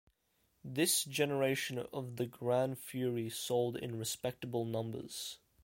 This generation of the Gran Fury sold in respectable numbers.